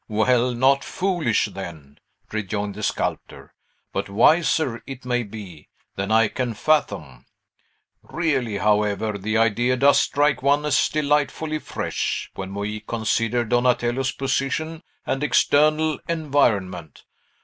"Well, not foolish, then," rejoined the sculptor, "but wiser, it may be, than I can fathom. Really, however, the idea does strike one as delightfully fresh, when we consider Donatello's position and external environment.